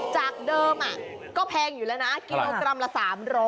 จากเดิมก็แพงอยู่แล้วนะกิโลกรัมละ๓๐๐